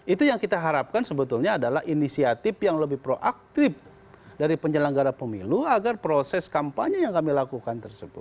itu yang kita harapkan sebetulnya adalah inisiatif yang lebih proaktif dari penyelenggara pemilu agar proses kampanye yang kami lakukan tersebut